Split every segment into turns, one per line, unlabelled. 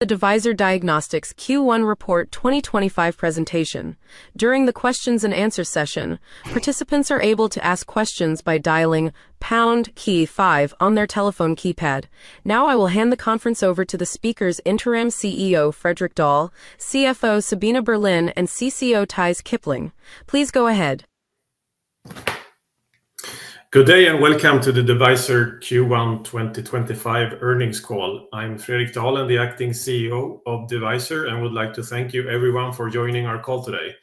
The Devyser Diagnostics Q1 Report 2025 presentation. During the Q&A session, participants are able to ask questions by dialing #Key5 on their telephone keypad. Now, I will hand the conference over to the speakers Interim CEO Fredrik Dahl, CFO Sabina Berlin, and CCO Theis Kipling. Please go ahead.
Good day and welcome to the Devyser Q1 2025 earnings call. I'm Fredrik Dahl, the Acting CEO of Devyser, and would like to thank you everyone for joining our call today.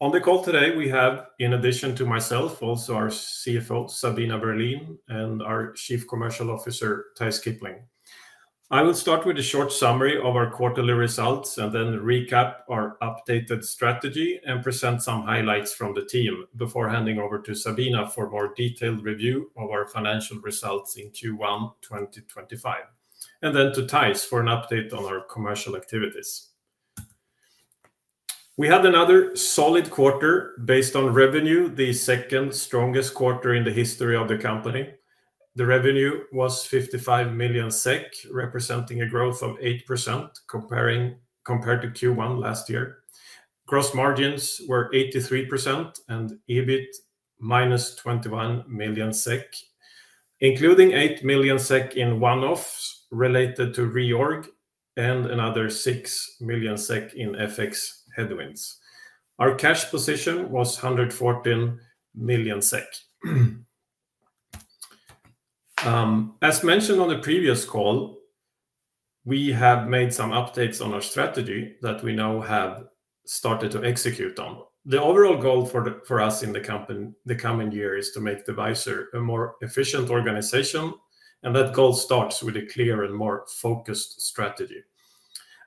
On the call today, we have, in addition to myself, also our CFO Sabina Berlin and our Chief Commercial Officer Theis Kipling. I will start with a short summary of our quarterly results and then recap our updated strategy and present some highlights from the team before handing over to Sabina for a more detailed review of our financial results in Q1 2025, and then to Theis for an update on our commercial activities. We had another solid quarter based on revenue, the second-strongest quarter in the history of the company. The revenue was 55 million SEK, representing a growth of 8% compared to Q1 last year. Gross margins were 83% and EBIT -21 million SEK, including 8 million SEK in one-offs related to reorg and another 6 million SEK in FX headwinds. Our cash position was 114 million SEK. As mentioned on the previous call, we have made some updates on our strategy that we now have started to execute on. The overall goal for us in the coming year is to make Devyser a more efficient organization, and that goal starts with a clear and more focused strategy.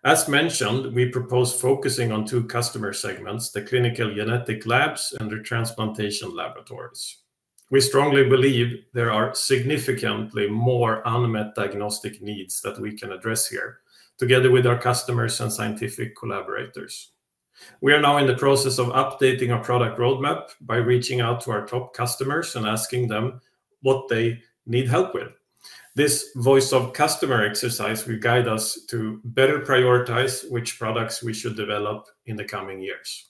As mentioned, we propose focusing on two customer segments: the Clinical Genetic Labs and the transplantation laboratories. We strongly believe there are significantly more unmet diagnostic needs that we can address here, together with our customers and scientific collaborators. We are now in the process of updating our product roadmap by reaching out to our top customers and asking them what they need help with. This voice-of-customer exercise will guide us to better prioritize which products we should develop in the coming years.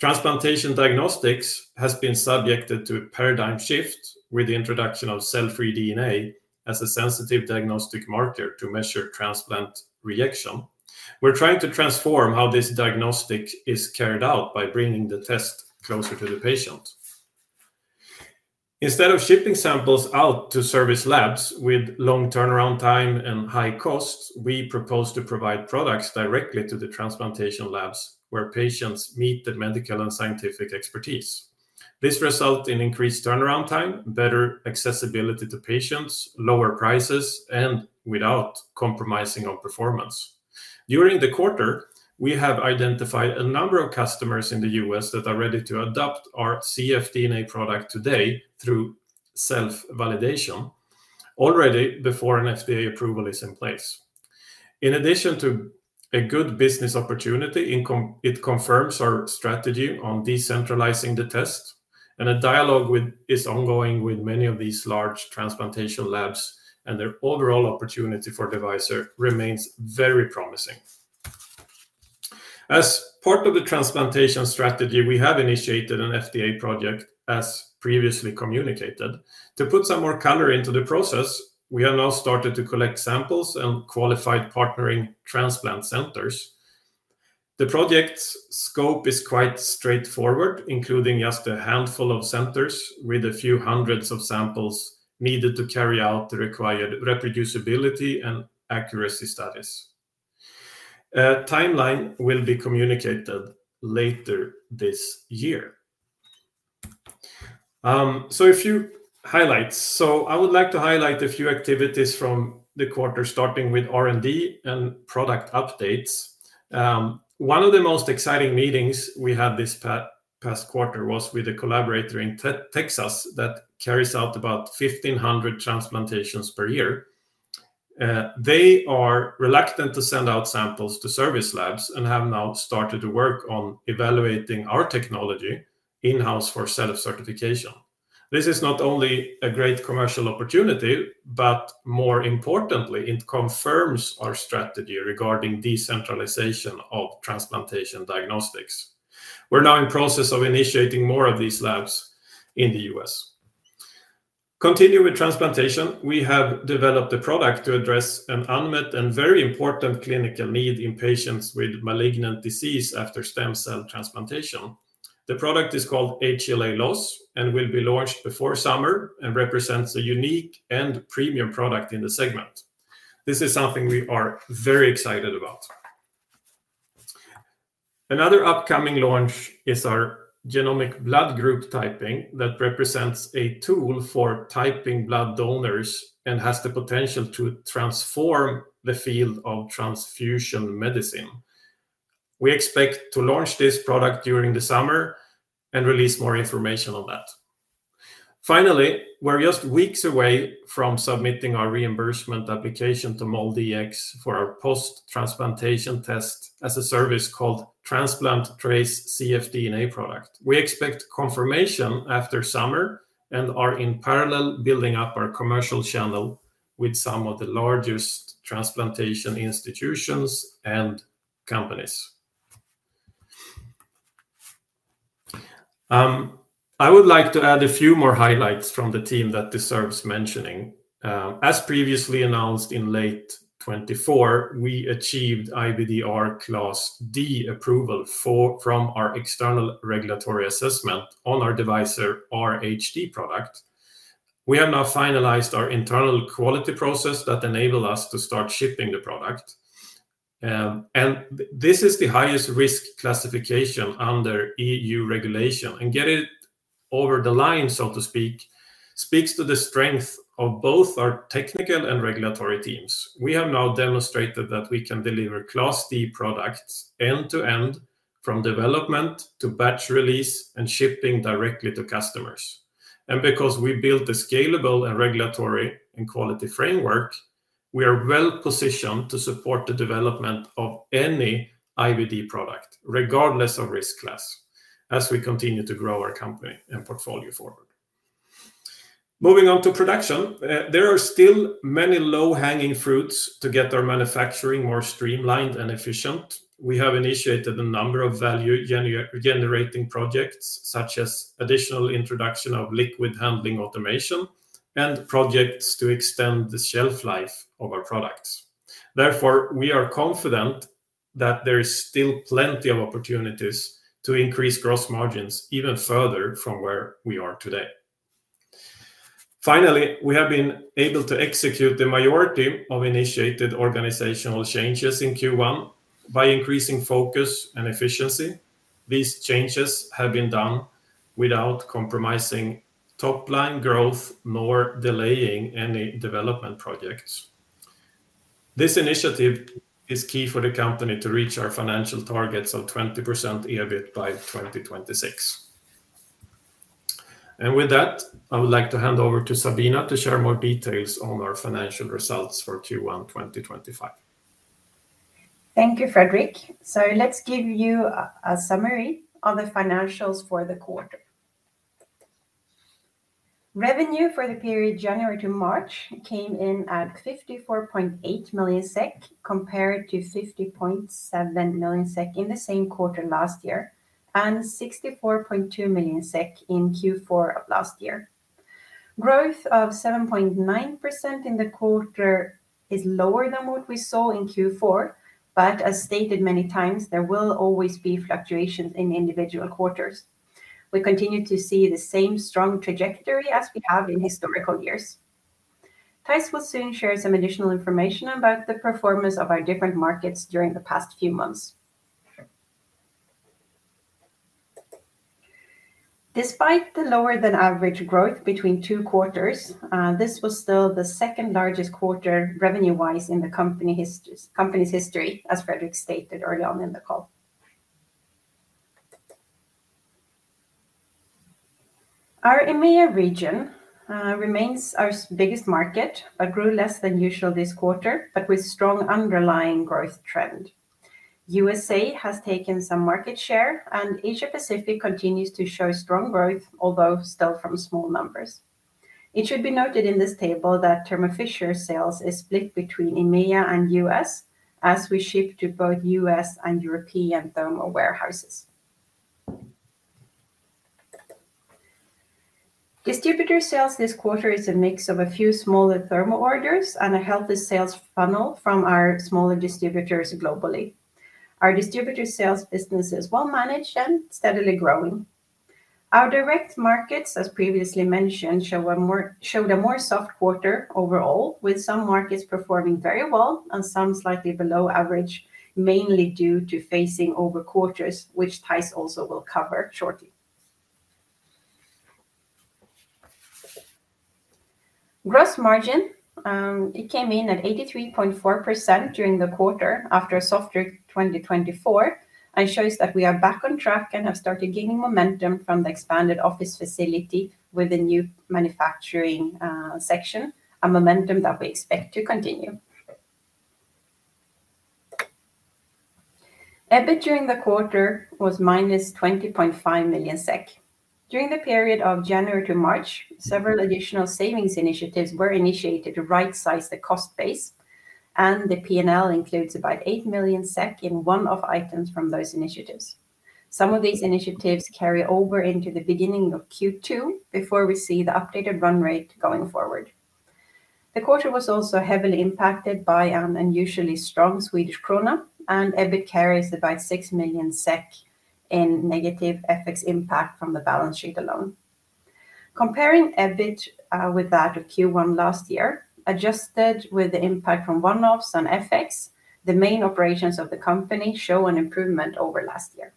Transplantation diagnostics has been subjected to a paradigm shift with the introduction of cell-free DNA as a sensitive diagnostic marker to measure transplant reaction. We're trying to transform how this diagnostic is carried out by bringing the test closer to the patient. Instead of shipping samples out to service labs with long turnaround time and high costs, we propose to provide products directly to the transplantation labs where patients meet the medical and scientific expertise. This results in increased turnaround time, better accessibility to patients, lower prices, and without compromising on performance. During the quarter, we have identified a number of customers in the U.S. that are ready to adopt our cfDNA product today through self-validation, already before an FDA approval is in place. In addition to a good business opportunity, it confirms our strategy on decentralizing the test, and a dialogue is ongoing with many of these large transplantation labs, and their overall opportunity for Devyser remains very promising. As part of the transplantation strategy, we have initiated an FDA project, as previously communicated. To put some more color into the process, we have now started to collect samples and qualified partnering transplant centers. The project's scope is quite straightforward, including just a handful of centers with a few hundred samples needed to carry out the required reproducibility and accuracy studies. A timeline will be communicated later this year. A few highlights. I would like to highlight a few activities from the quarter, starting with R&D and product updates. One of the most exciting meetings we had this past quarter was with a collaborator in Texas that carries out about 1,500 transplantations per year. They are reluctant to send out samples to service labs and have now started to work on evaluating our technology in-house for cell certification. This is not only a great commercial opportunity, but more importantly, it confirms our strategy regarding decentralization of transplantation diagnostics. We're now in the process of initiating more of these labs in the U.S. Continuing with transplantation, we have developed a product to address an unmet and very important clinical need in patients with malignant disease after stem cell transplantation. The product is called HLA Loss and will be launched before summer and represents a unique and premium product in the segment. This is something we are very excited about. Another upcoming launch is our genomic blood group typing that represents a tool for typing blood donors and has the potential to transform the field of transfusion medicine. We expect to launch this product during the summer and release more information on that. Finally, we're just weeks away from submitting our reimbursement application to MolDX for our post-transplantation test as a service called Transplant Trace cfDNA product. We expect confirmation after summer and are in parallel building up our commercial channel with some of the largest transplantation institutions and companies. I would like to add a few more highlights from the team that deserves mentioning. As previously announced in late 2024, we achieved IVDR Class D approval from our external regulatory assessment on our Devyser RHD product. We have now finalized our internal quality process that enabled us to start shipping the product. This is the highest risk classification under EU regulation. Getting it over the line, so to speak, speaks to the strength of both our technical and regulatory teams. We have now demonstrated that we can deliver Class D products end-to-end, from development to batch release and shipping directly to customers. Because we built a scalable and regulatory and quality framework, we are well positioned to support the development of any IVD product, regardless of risk class, as we continue to grow our company and portfolio forward. Moving on to production, there are still many low-hanging fruits to get our manufacturing more streamlined and efficient. We have initiated a number of value-generating projects, such as additional introduction of liquid handling automation and projects to extend the shelf life of our products. Therefore, we are confident that there is still plenty of opportunities to increase gross margins even further from where we are today. Finally, we have been able to execute the majority of initiated organizational changes in Q1 by increasing focus and efficiency. These changes have been done without compromising top-line growth nor delaying any development projects. This initiative is key for the company to reach our financial targets of 20% EBIT by 2026. With that, I would like to hand over to Sabina to share more details on our financial results for Q1 2025.
Thank you, Fredrik. Let me give you a summary of the financials for the quarter. Revenue for the period January to March came in at 54.8 million SEK compared to 50.7 million SEK in the same quarter last year and 64.2 million SEK in Q4 of last year. Growth of 7.9% in the quarter is lower than what we saw in Q4, but as stated many times, there will always be fluctuations in individual quarters. We continue to see the same strong trajectory as we have in historical years. Theis will soon share some additional information about the performance of our different markets during the past few months. Despite the lower-than-average growth between two quarters, this was still the second-largest quarter revenue-wise in the company's history, as Fredrik stated early on in the call. Our EMEA region remains our biggest market, but grew less than usual this quarter, but with strong underlying growth trend. USA has taken some market share, and Asia-Pacific continues to show strong growth, although still from small numbers. It should be noted in this table that Thermo Fisher sales is split between EMEA and U.S. as we ship to both U.S. and European thermal warehouses. Distributor sales this quarter is a mix of a few smaller thermal orders and a healthy sales funnel from our smaller distributors globally. Our distributor sales business is well managed and steadily growing. Our direct markets, as previously mentioned, showed a more soft quarter overall, with some markets performing very well and some slightly below average, mainly due to phasing over quarters, which Theis also will cover shortly. Gross margin came in at 83.4% during the quarter after a soft 2024 and shows that we are back on track and have started gaining momentum from the expanded office facility with the new manufacturing section, a momentum that we expect to continue. EBIT during the quarter was -20.5 million SEK. During the period of January to March, several additional savings initiatives were initiated to right-size the cost base, and the P&L includes about 8 million SEK in one of the items from those initiatives. Some of these initiatives carry over into the beginning of Q2 before we see the updated run rate going forward. The quarter was also heavily impacted by an unusually strong Swedish krona, and EBIT carries about 6 million SEK in negative FX impact from the balance sheet alone. Comparing EBIT with that of Q1 last year, adjusted with the impact from one-offs on FX, the main operations of the company show an improvement over last year.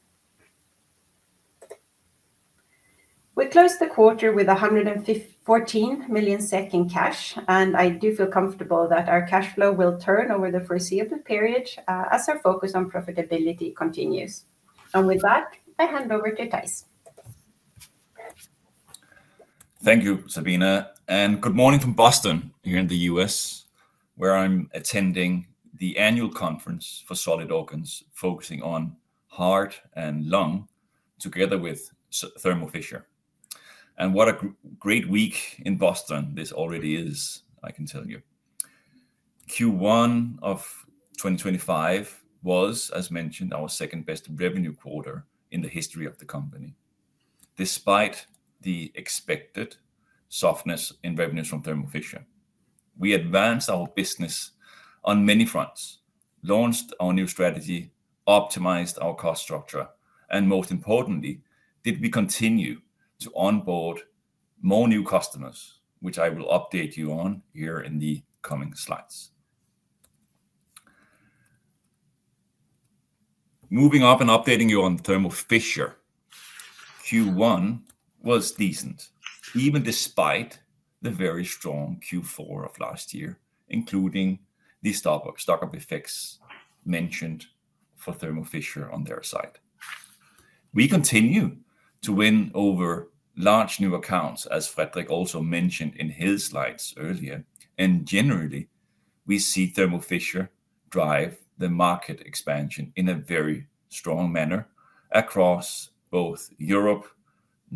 We closed the quarter with 114 million SEK in cash, and I do feel comfortable that our cash flow will turn over the foreseeable period as our focus on profitability continues. With that, I hand over to Theis.
Thank you, Sabina. Good morning from Boston here in the U.S., where I'm attending the annual conference for Solid Organs, focusing on heart and lung together with Thermo Fisher. What a great week in Boston this already is, I can tell you. Q1 of 2025 was, as mentioned, our second-best revenue quarter in the history of the company. Despite the expected softness in revenues from Thermo Fisher, we advanced our business on many fronts, launched our new strategy, optimized our cost structure, and most importantly, did we continue to onboard more new customers, which I will update you on here in the coming slides. Moving up and updating you on Thermo Fisher, Q1 was decent, even despite the very strong Q4 of last year, including the stock of effects mentioned for Thermo Fisher on their side. We continue to win over large new accounts, as Fredrik also mentioned in his slides earlier, and generally, we see Thermo Fisher drive the market expansion in a very strong manner across both Europe and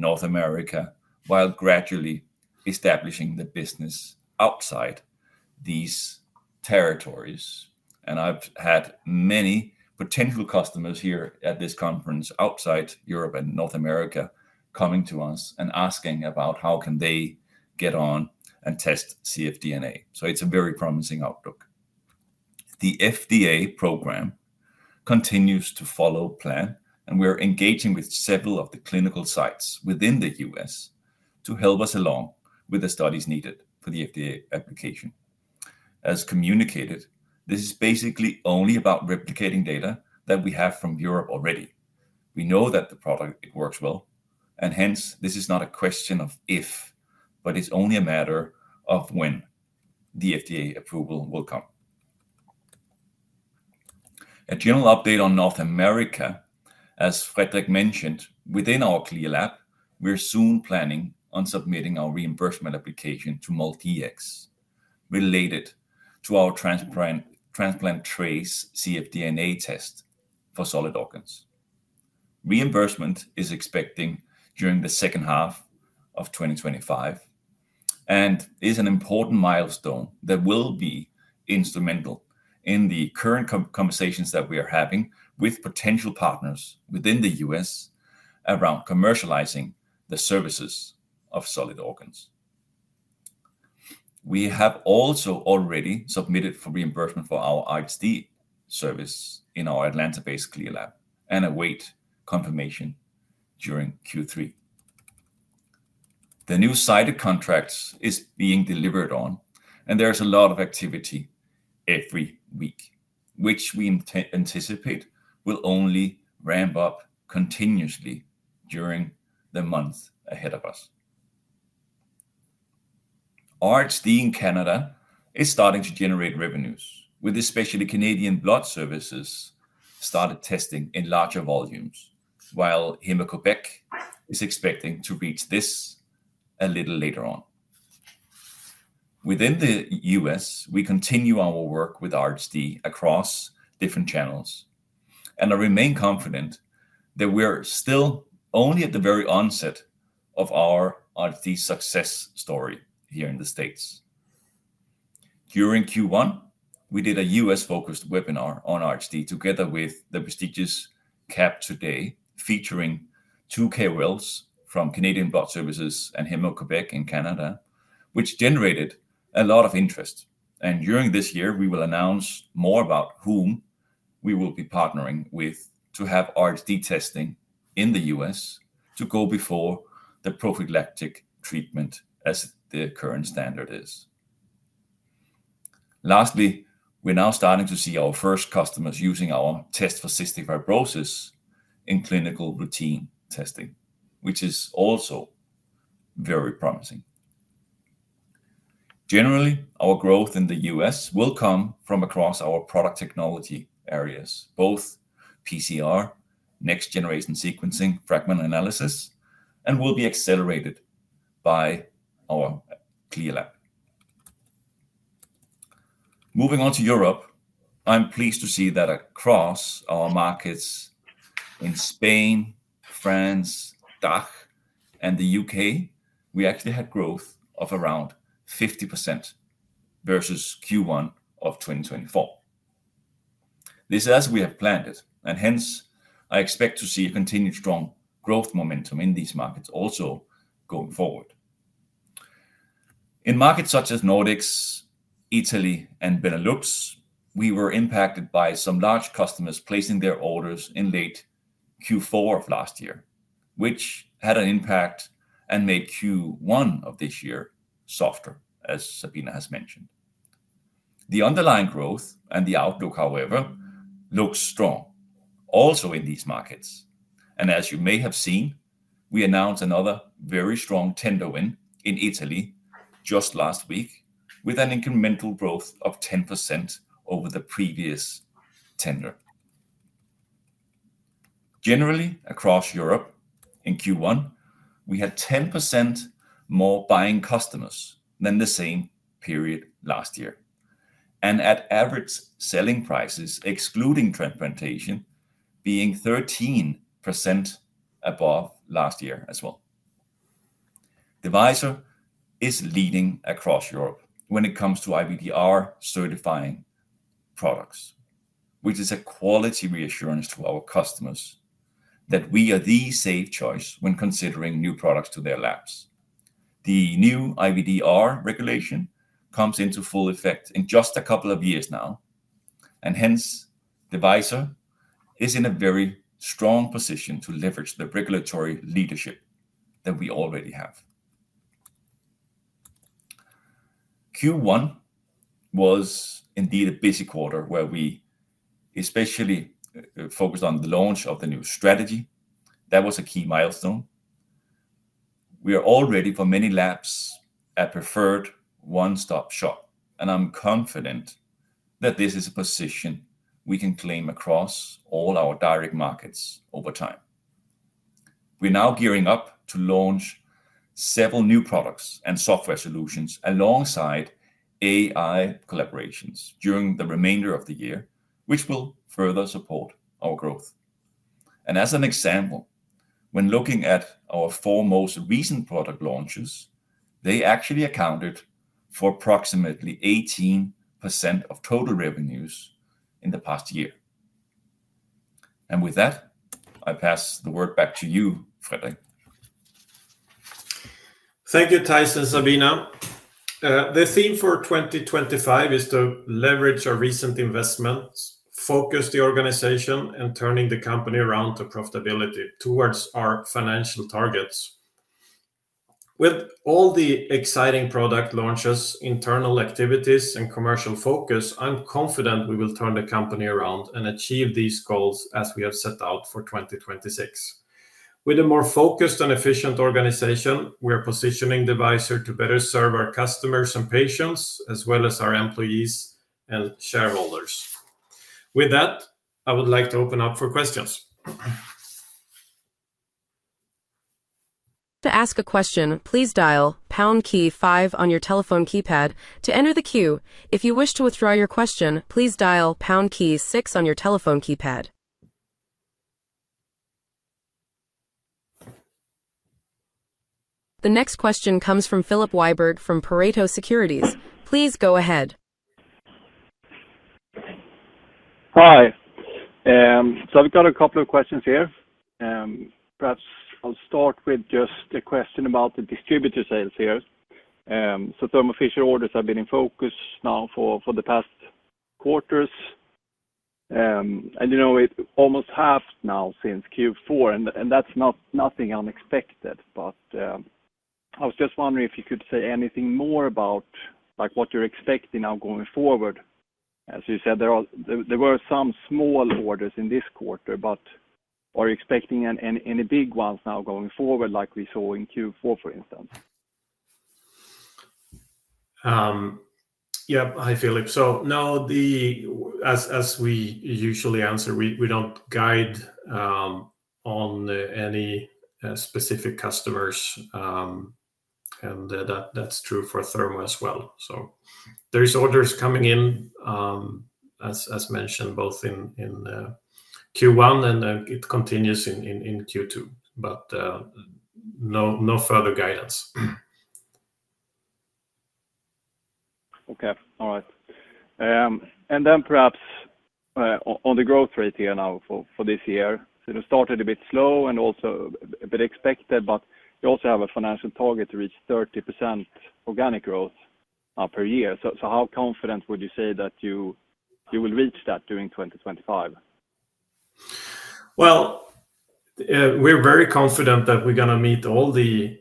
North America, while gradually establishing the business outside these territories. I have had many potential customers here at this conference outside Europe and North America coming to us and asking about how can they get on and test cfDNA. It is a very promising outlook. The FDA program continues to follow plan, and we are engaging with several of the clinical sites within the U.S. to help us along with the studies needed for the FDA application. As communicated, this is basically only about replicating data that we have from Europe already. We know that the product works well, and hence, this is not a question of if, but it's only a matter of when the FDA approval will come. A general update on North America, as Fredrik mentioned, within our CLIA lab, we're soon planning on submitting our reimbursement application to MolDX related to our Transplant Trace cfDNA test for solid organs. Reimbursement is expected during the second half of 2025 and is an important milestone that will be instrumental in the current conversations that we are having with potential partners within the U.S. around commercializing the services of solid organs. We have also already submitted for reimbursement for our ISD service in our Atlanta-based CLIA lab and await confirmation during Q3. The new cited contracts are being delivered on, and there is a lot of activity every week, which we anticipate will only ramp up continuously during the month ahead of us. RHD in Canada is starting to generate revenues, with especially Canadian Blood Services starting testing in larger volumes, while Héma-Québec is expecting to reach this a little later on. Within the U.S., we continue our work with RHD across different channels, and I remain confident that we're still only at the very onset of our RHD success story here in the States. During Q1, we did a U.S.-focused webinar on RHD together with the prestigious CAP Today, featuring 2K wells from Canadian Blood Services and Héma-Québec in Canada, which generated a lot of interest. During this year, we will announce more about whom we will be partnering with to have RHD testing in the U.S. to go before the prophylactic treatment, as the current standard is. Lastly, we're now starting to see our first customers using our test for cystic fibrosis in clinical routine testing, which is also very promising. Generally, our growth in the U.S. will come from across our product technology areas, both PCR, next-generation sequencing, fragment analysis, and will be accelerated by our CLIA lab. Moving on to Europe, I'm pleased to see that across our markets in Spain, France, DACH, and the U.K., we actually had growth of around 50% versus Q1 of 2024. This is as we have planned it, and hence, I expect to see a continued strong growth momentum in these markets also going forward. In markets such as Nordics, Italy, and Benelux, we were impacted by some large customers placing their orders in late Q4 of last year, which had an impact and made Q1 of this year softer, as Sabina has mentioned. The underlying growth and the outlook, however, looks strong also in these markets. As you may have seen, we announced another very strong tender win in Italy just last week, with an incremental growth of 10% over the previous tender. Generally, across Europe in Q1, we had 10% more buying customers than the same period last year, and at average selling prices, excluding transplantation, being 13% above last year as well. Devyser is leading across Europe when it comes to IVDR-certifying products, which is a quality reassurance to our customers that we are the safe choice when considering new products to their labs. The new IVDR regulation comes into full effect in just a couple of years now, and hence, Devyser is in a very strong position to leverage the regulatory leadership that we already have. Q1 was indeed a busy quarter where we especially focused on the launch of the new strategy. That was a key milestone. We are already for many labs a preferred one-stop shop, and I'm confident that this is a position we can claim across all our direct markets over time. We are now gearing up to launch several new products and software solutions alongside AI collaborations during the remainder of the year, which will further support our growth. For example, when looking at our four most recent product launches, they actually accounted for approximately 18% of total revenues in the past year. With that, I pass the word back to you, Fredrik.
Thank you, Theis and Sabina. The theme for 2025 is to leverage our recent investments, focus the organization, and turn the company around to profitability towards our financial targets. With all the exciting product launches, internal activities, and commercial focus, I'm confident we will turn the company around and achieve these goals as we have set out for 2026. With a more focused and efficient organization, we are positioning Devyser to better serve our customers and patients, as well as our employees and shareholders. With that, I would like to open up for questions.
To ask a question, please dial pound key five on your telephone keypad to enter the queue. If you wish to withdraw your question, please dial pound key six on your telephone keypad. The next question comes from Filip Wiberg from Pareto Securities. Please go ahead.
Hi. We have a couple of questions here. Perhaps I'll start with just a question about the distributor sales here. Thermo Fisher orders have been in focus now for the past quarters. You know, it's almost half now since Q4, and that's nothing unexpected. I was just wondering if you could say anything more about what you're expecting now going forward. As you said, there were some small orders in this quarter, but are you expecting any big ones now going forward, like we saw in Q4, for instance?
Yeah, hi, Filip. As we usually answer, we do not guide on any specific customers, and that is true for Thermo as well. There are orders coming in, as mentioned, both in Q1, and it continues in Q2, but no further guidance.
Okay. All right. Perhaps on the growth rate here now for this year. It started a bit slow and also a bit expected, but you also have a financial target to reach 30% organic growth per year. How confident would you say that you will reach that during 2025?
We're very confident that we're going to meet all the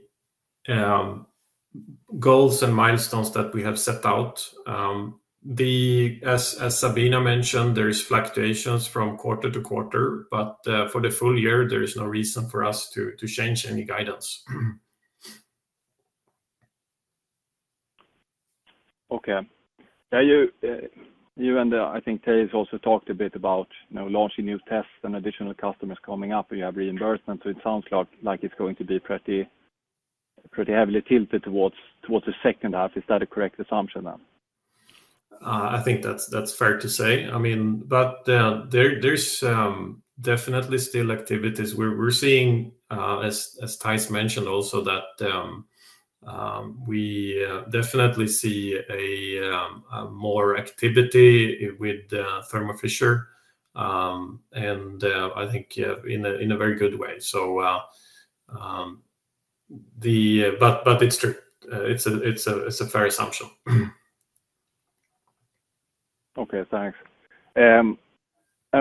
goals and milestones that we have set out. As Sabina mentioned, there are fluctuations from quarter to quarter, but for the full year, there is no reason for us to change any guidance.
Okay. You and I think Theis also talked a bit about launching new tests and additional customers coming up, and you have reimbursement. It sounds like it's going to be pretty heavily tilted towards the second half. Is that a correct assumption then?
I think that's fair to say. I mean, but there's definitely still activities. We're seeing, as Theis mentioned also, that we definitely see more activity with Thermo Fisher, and I think in a very good way. But it's true. It's a fair assumption.
Okay, thanks.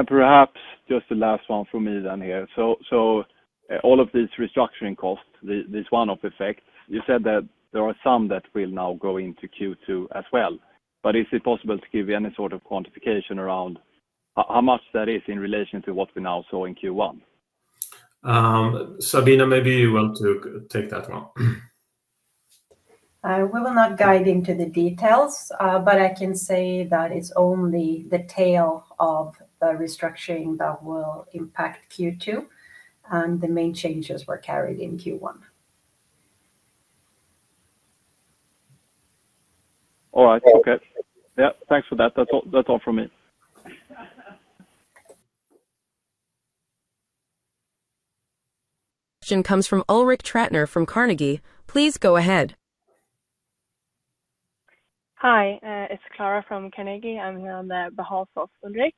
Perhaps just the last one from me then here. All of these restructuring costs, this one-off effect, you said that there are some that will now go into Q2 as well. Is it possible to give you any sort of quantification around how much that is in relation to what we now saw in Q1?
Sabina, maybe you want to take that one.
We will not guide into the details, but I can say that it's only the tail of the restructuring that will impact Q2, and the main changes were carried in Q1.
All right. Okay. Yeah, thanks for that. That's all from me.
Question comes from Ulrik Trattner from Carnegie. Please go ahead.
Hi, it's Clara from Carnegie. I'm here on behalf of Ulrik.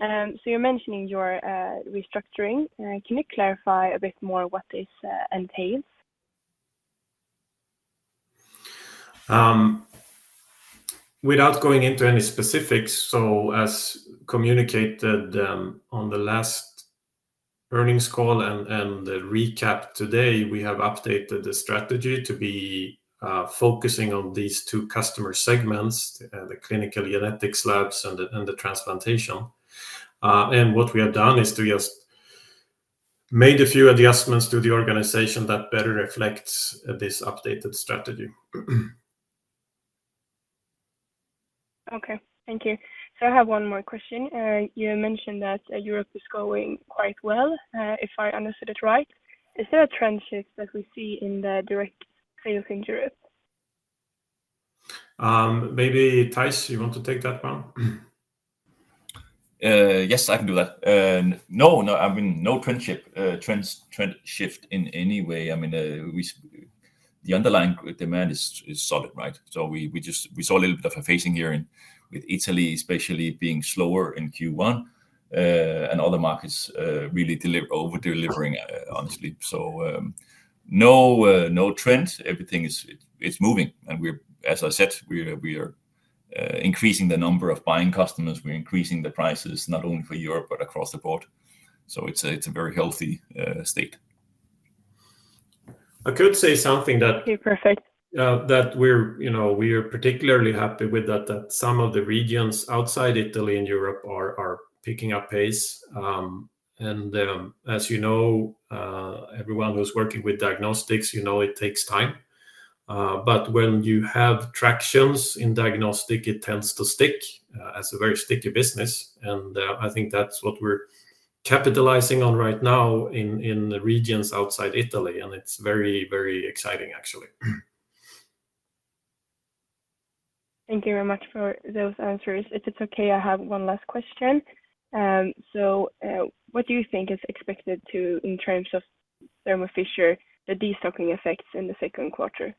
You are mentioning your restructuring. Can you clarify a bit more what this entails?
Without going into any specifics, as communicated on the last earnings call and the recap today, we have updated the strategy to be focusing on these two customer segments, the clinical genetics labs and the transplantation. What we have done is to just make a few adjustments to the organization that better reflects this updated strategy.
Okay, thank you. I have one more question. You mentioned that Europe is going quite well, if I understood it right. Is there a trend shift that we see in the direct sales in Europe?
Maybe Theis, you want to take that one?
Yes, I can do that. No, no, I mean, no trend shift in any way. I mean, the underlying demand is solid, right? We saw a little bit of a phasing here with Italy, especially being slower in Q1, and other markets really over-delivering, honestly. No trend. Everything is moving. As I said, we are increasing the number of buying customers. We're increasing the prices, not only for Europe, but across the board. It is a very healthy state.
I could say something that.
Okay, perfect.
That we are particularly happy with, that some of the regions outside Italy and Europe are picking up pace. You know, everyone who's working with diagnostics, you know it takes time. When you have tractions in diagnostic, it tends to stick as a very sticky business. I think that's what we're capitalizing on right now in regions outside Italy. It's very, very exciting, actually.
Thank you very much for those answers. If it's okay, I have one last question. What do you think is expected in terms of Thermo Fisher, the de-stocking effects in the second quarter?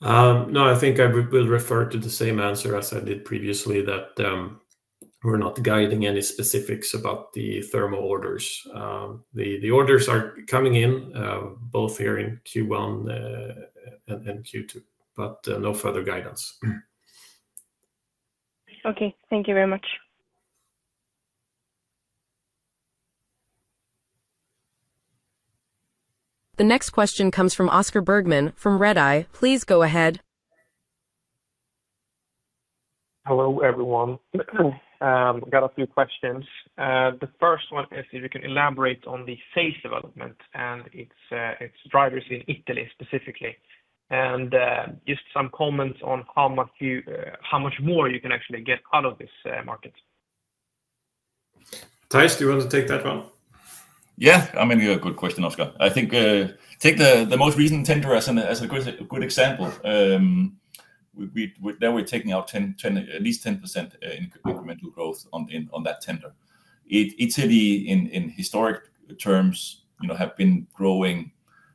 No, I think I will refer to the same answer as I did previously, that we're not guiding any specifics about the Thermo orders. The orders are coming in, both here in Q1 and Q2, but no further guidance.
Okay, thank you very much.
The next question comes from Oscar Bergman from Redeye. Please go ahead.
Hello, everyone. I've got a few questions. The first one is if you can elaborate on the phase development and its drivers in Italy specifically, and just some comments on how much more you can actually get out of this market.
Theis, do you want to take that one?
Yeah, I mean, a good question, Oscar. I think take the most recent tender as a good example. Now we're taking out at least 10% incremental growth on that tender. Italy, in historic terms, has been growing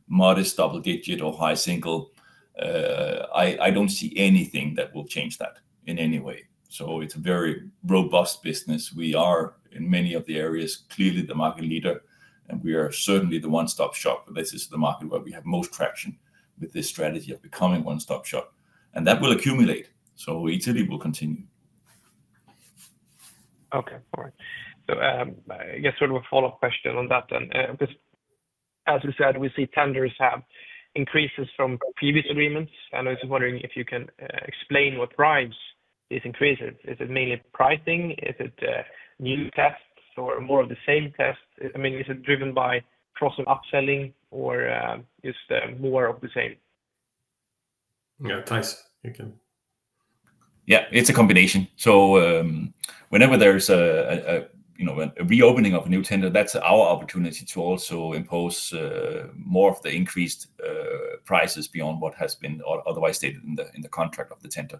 modest, double-digit, or high single. I do not see anything that will change that in any way. It is a very robust business. We are, in many of the areas, clearly the market leader, and we are certainly the one-stop shop. This is the market where we have most traction with this strategy of becoming a one-stop shop. That will accumulate. Italy will continue.
Okay, all right. I guess sort of a follow-up question on that then. As we said, we see tenders have increases from previous agreements. I was wondering if you can explain what drives these increases. Is it mainly pricing? Is it new tests or more of the same tests? I mean, is it driven by crossing upselling or just more of the same?
Yeah, Theis, you can.
Yeah, it's a combination. Whenever there's a reopening of a new tender, that's our opportunity to also impose more of the increased prices beyond what has been otherwise stated in the contract of the tender.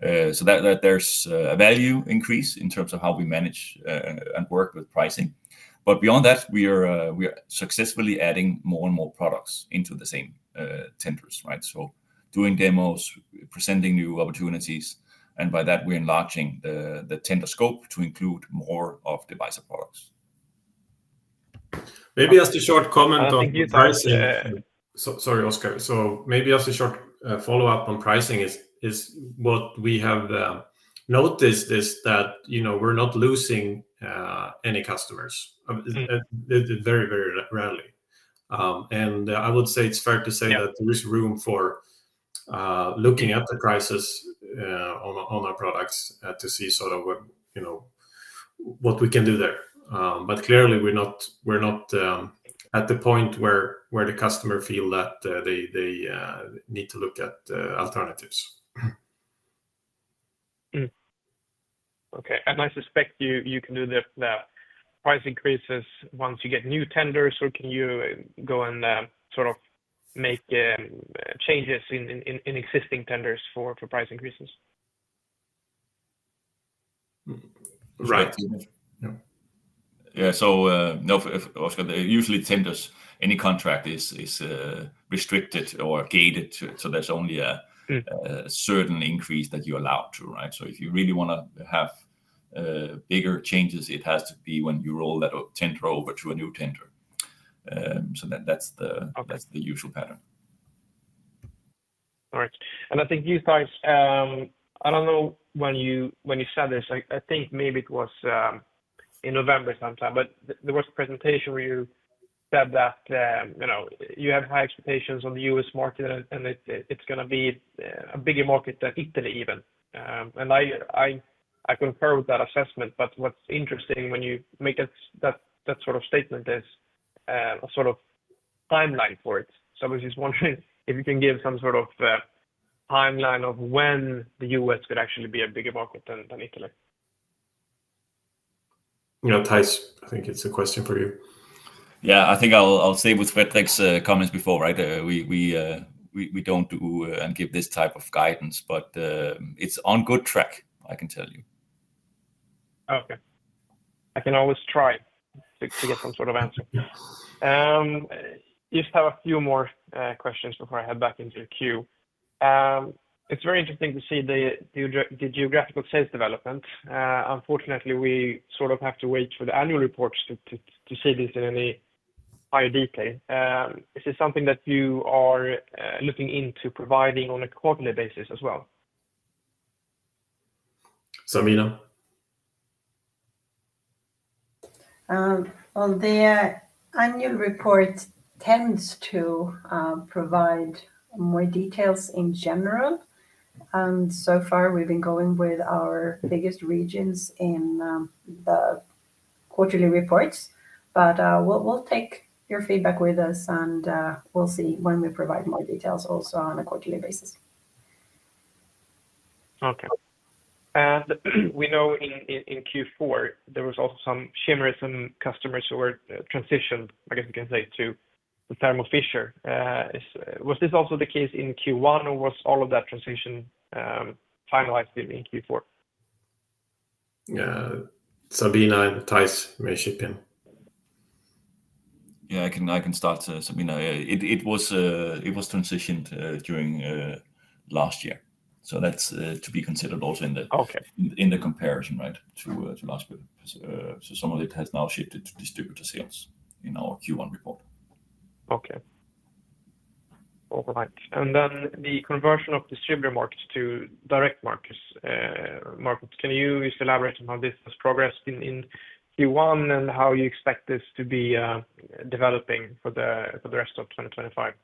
There's a value increase in terms of how we manage and work with pricing. Beyond that, we are successfully adding more and more products into the same tenders, right? Doing demos, presenting new opportunities, and by that, we're enlarging the tender scope to include more of Devyser products.
Maybe just a short comment on pricing. Sorry, Oscar. Maybe just a short follow-up on pricing is what we have noticed is that we're not losing any customers. Very, very rarely. I would say it's fair to say that there is room for looking at the prices on our products to see sort of what we can do there. Clearly, we're not at the point where the customer feels that they need to look at alternatives.
Okay. I suspect you can do the price increases once you get new tenders, or can you go and sort of make changes in existing tenders for price increases?
Right. Yeah.
Yeah.Oscar, usually tenders, any contract is restricted or gated. There is only a certain increase that you are allowed to, right? If you really want to have bigger changes, it has to be when you roll that tender over to a new tender. That is the usual pattern.
All right. I think you guys, I do not know when you said this. I think maybe it was in November sometime, but there was a presentation where you said that you have high expectations on the U.S. market, and it is going to be a bigger market than Italy even. I concur with that assessment. What is interesting when you make that sort of statement is a sort of timeline for it. I was just wondering if you can give some sort of timeline of when the U.S. could actually be a bigger market than Italy.
Theis, I think it's a question for you.
Yeah, I think I'll stay with Fredrik's comments before, right? We don't do and give this type of guidance, but it's on good track, I can tell you.
Okay. I can always try to get some sort of answer. Just have a few more questions before I head back into the queue. It's very interesting to see the geographical sales development. Unfortunately, we sort of have to wait for the annual reports to see this in any higher detail. Is this something that you are looking into providing on a quarterly basis as well?
Sabina?
The annual report tends to provide more details in general. And so far, we've been going with our biggest regions in the quarterly reports. We'll take your feedback with us, and we'll see when we provide more details also on a quarterly basis.
Okay. We know in Q4, there was also some shimmer in some customers who were transitioned, I guess you can say, to Thermo Fisher. Was this also the case in Q1, or was all of that transition finalized in Q4?
Yeah. Sabina and Theis, maybe she can.
Yeah, I can start. Sabina, it was transitioned during last year. That is to be considered also in the comparison, right, to last year. Some of it has now shifted to distributor sales in our Q1 report.
All right. And then the conversion of distributor markets to direct markets, can you just elaborate on how this has progressed in Q1 and how you expect this to be developing for the rest of 2025?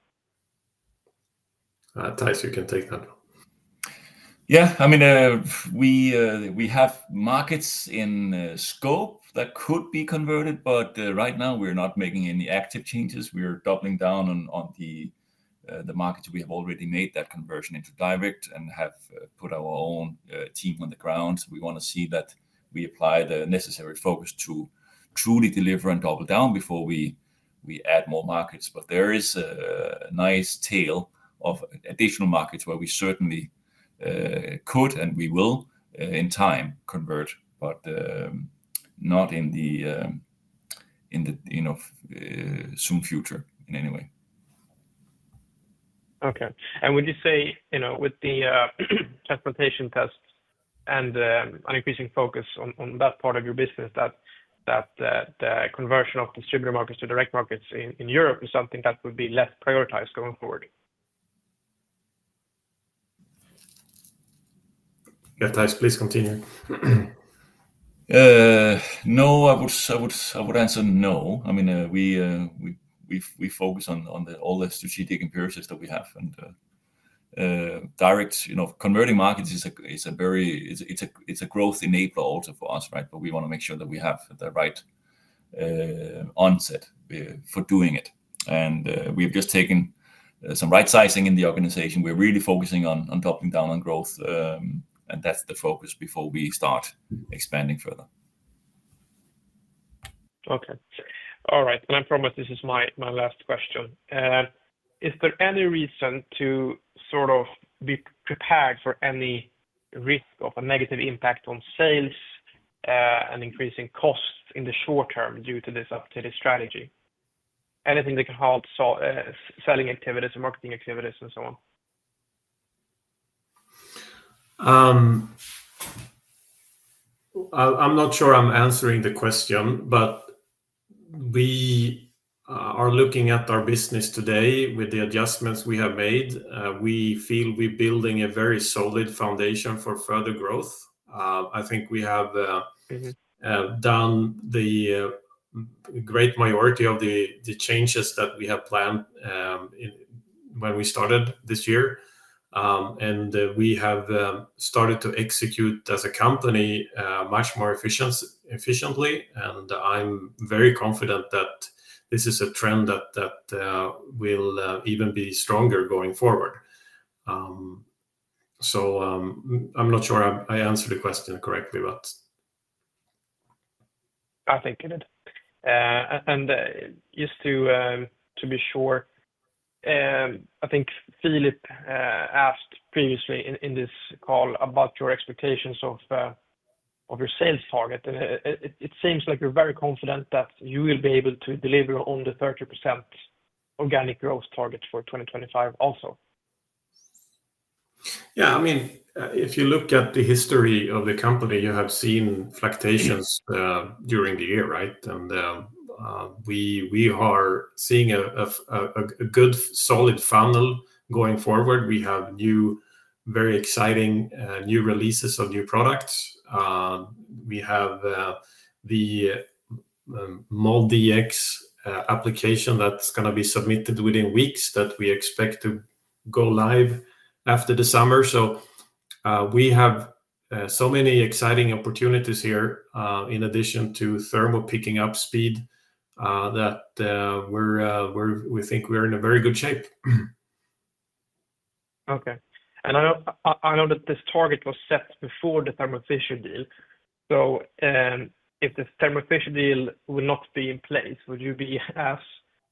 Theis, you can take that one.
Yeah. I mean, we have markets in scope that could be converted, but right now, we're not making any active changes. We're doubling down on the markets we have already made that conversion into direct and have put our own team on the ground. We want to see that we apply the necessary focus to truly deliver and double down before we add more markets. There is a nice tail of additional markets where we certainly could and we will in time convert, but not in the soon future in any way.
Okay. Would you say with the transplantation tests and an increasing focus on that part of your business that the conversion of distributor markets to direct markets in Europe is something that would be less prioritized going forward?
Yeah, Theis, please continue.
No, I would answer no. I mean, we focus on all the strategic imperatives that we have. Direct converting markets is a growth enabler also for us, right? We want to make sure that we have the right onset for doing it. We have just taken some right-sizing in the organization. We are really focusing on doubling down on growth, and that is the focus before we start expanding further.
Okay. All right. I promise this is my last question. Is there any reason to sort of be prepared for any risk of a negative impact on sales and increasing costs in the short term due to this updated strategy? Anything that can halt selling activities and marketing activities and so on?
I'm not sure I'm answering the question, but we are looking at our business today with the adjustments we have made. We feel we're building a very solid foundation for further growth. I think we have done the great majority of the changes that we have planned when we started this year. We have started to execute as a company much more efficiently. I'm very confident that this is a trend that will even be stronger going forward. I'm not sure I answered the question correctly, but.
I think it is. Just to be sure, I think Filip asked previously in this call about your expectations of your sales target. It seems like you're very confident that you will be able to deliver on the 30% organic growth target for 2025 also.
Yeah. I mean, if you look at the history of the company, you have seen fluctuations during the year, right? We are seeing a good solid funnel going forward. We have very exciting new releases of new products. We have the MolDX application that's going to be submitted within weeks that we expect to go live after the summer. We have so many exciting opportunities here in addition to Thermo picking up speed that we think we're in a very good shape.
Okay. I know that this target was set before the Thermo Fisher deal. If the Thermo Fisher deal will not be in place, would you be as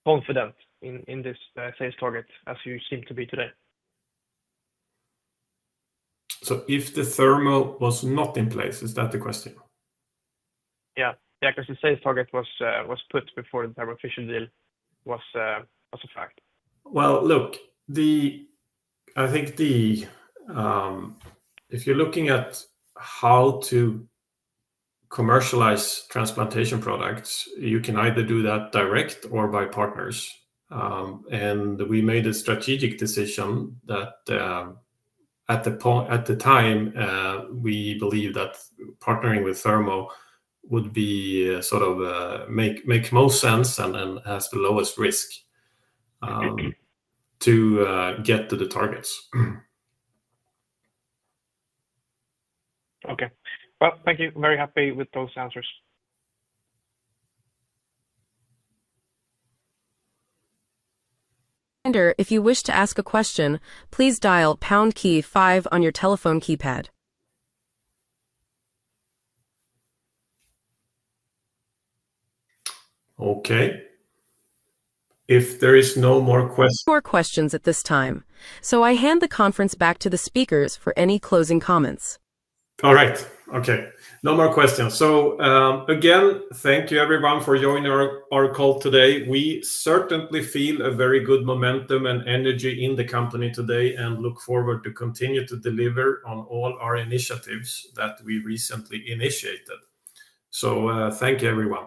confident in this sales target as you seem to be today?
If the Thermo was not in place, is that the question?
Yeah. Yeah, because the sales target was put before the Thermo Fisher deal was a fact.
I think if you're looking at how to commercialize transplantation products, you can either do that direct or by partners. We made a strategic decision that at the time, we believed that partnering with Thermo would sort of make most sense and has the lowest risk to get to the targets.
Okay. Thank you. I'm very happy with those answers.
If you wish to ask a question, please dial pound key five on your telephone keypad.
Okay. If there are no more questions.
No more questions at this time. I hand the conference back to the speakers for any closing comments.
All right. Okay. No more questions. Again, thank you, everyone, for joining our call today. We certainly feel a very good momentum and energy in the company today and look forward to continue to deliver on all our initiatives that we recently initiated. Thank you, everyone.